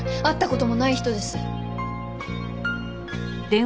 会った事もない人です。